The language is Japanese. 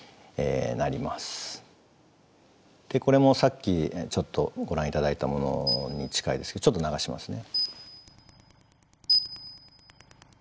これもさっきちょっとご覧頂いたものに近いですけどちょっと流しますね。